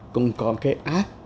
cũng có cái ác